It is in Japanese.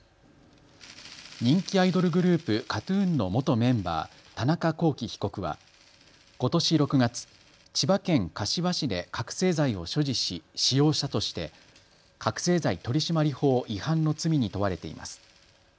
人気アイドルグループ、ＫＡＴーＴＵＮの元メンバー、田中聖被告はことし６月、千葉県柏市で覚醒剤を所持し使用したとして覚醒剤取締法違反の罪に問われています。